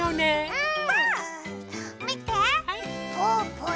うん。